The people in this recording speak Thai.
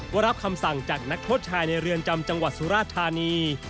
รับคำสั่งจากนักโทษชายในเรือนจำจังหวัดสุราธานี